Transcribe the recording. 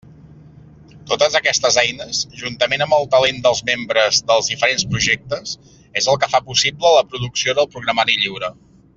Totes aquestes eines, juntament amb el talent dels membres dels diferents projectes, és el que fa possible la producció de programari lliure.